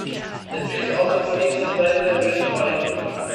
The tree also produces valuable reddish-orange wood.